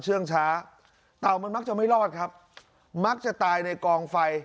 เชื่องช้าเต่ามันมักจะไม่รอดครับมักจะตายในกองไฟ